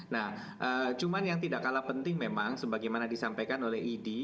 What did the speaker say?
nah cuman yang tidak kalah penting memang sebagaimana disampaikan oleh idi